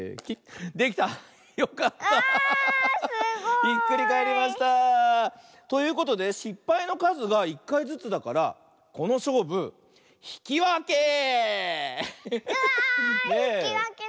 ひっくりかえりました！ということでしっぱいのかずが１かいずつだからこのしょうぶひきわけ！わいひきわけだ！